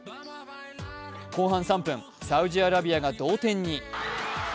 後半３分、サウジアラビアが同点に。